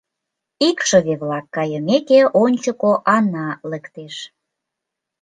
Икшыве-влак кайымеке, ончыко Ана лектеш.